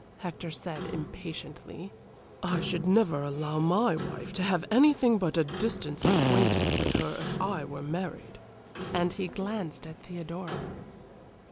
Hector said, impatiently. "I should never allow my wife to have anything but a distant acquaintance with her if I were married," and he glanced at Theodora.